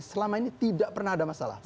selama ini tidak pernah ada masalah